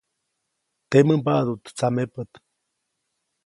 Temäʼ mbaʼduʼt tsamepät.